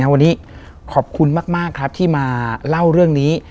วันนี้ขอบคุณมากครับที่มาเล่าเรื่องนี้